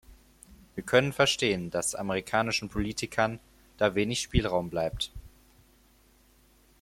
Wir können verstehen, dass amerikanischen Politikern da wenig Spielraum bleibt.